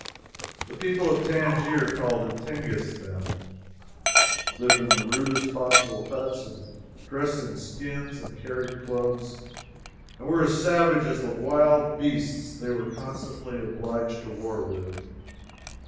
The people of Tangier (called Tingis then) lived in the rudest possible huts and dressed in skins and carried clubs, and were as savage as the wild beasts they were constantly obliged to war with.